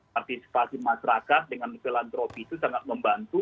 partisipasi masyarakat dengan filantropi itu sangat membantu